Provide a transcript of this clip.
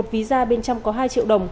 một visa bên trong có hai triệu đồng